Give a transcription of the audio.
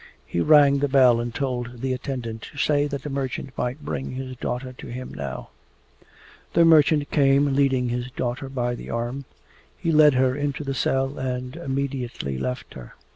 He rang the bell and told the attendant to say that the merchant might bring his daughter to him now. The merchant came, leading his daughter by the arm. He led her into the cell and immediately left her.